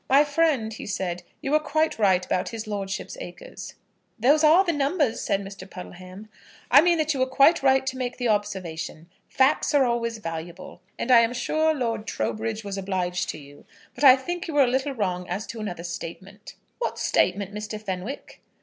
"My friend," he said, "you were quite right about his lordship's acres." "Those are the numbers," said Mr. Puddleham. "I mean that you were quite right to make the observation. Facts are always valuable, and I am sure Lord Trowbridge was obliged to you. But I think you were a little wrong as to another statement." "What statement, Mr. Fenwick?"